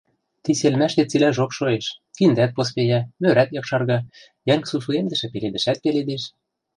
Ти селмӓштет цилӓжок шоэш: киндӓт поспейӓ, морӓт якшарга, йӓнг сусуэмдӹшӹ пеледӹшӓт пеледеш.